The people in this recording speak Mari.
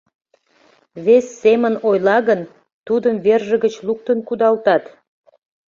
Вес семын ойла гын, тудым верже гыч луктын кудалтат.